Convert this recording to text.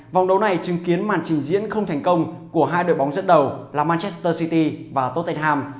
vòng đấu này chứng kiến màn trình diễn không thành công của hai đội bóng dẫn đầu là manchester city và totaham